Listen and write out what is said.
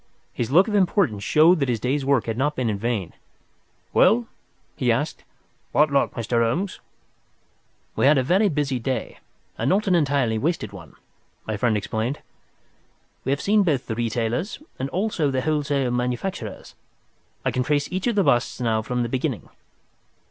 His look of importance showed that his day's work had not been in vain. "Well?" he asked. "What luck, Mr. Holmes?" "We have had a very busy day, and not entirely a wasted one," my friend explained. "We have seen both the retailers and also the wholesale manufacturers. I can trace each of the busts now from the beginning."